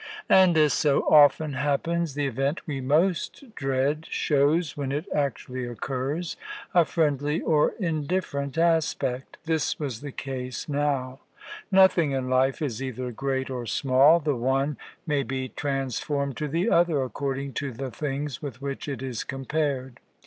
And, as so often happens, the event we most dread shows, when it actually occurs, a friendly or indifferent aspect; this was the case now. Nothing in life is either great or small the one may be transformed to the other, according to the things with which it is compared.